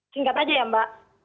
singkat aja ya mbak